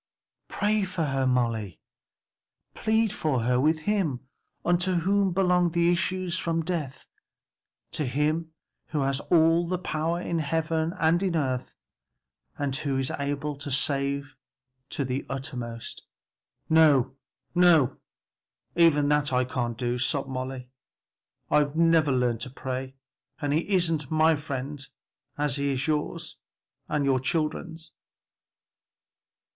"Pray for her, Molly, plead for her with him unto whom belong the issues from death; to him who has all power in heaven and in earth and who is able to save to the uttermost." "No, no, even that I can't do," sobbed Molly, "I've never learned to pray, and he isn't my friend as he is yours and your children's!"